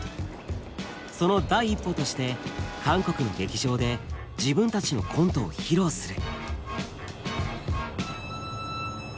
その第一歩として韓国の劇場で自分たちのコントを披露する。